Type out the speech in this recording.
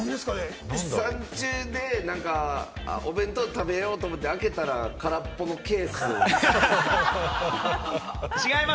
山中でお弁当を食べようと思って開けたら、空っぽのケースみたいな。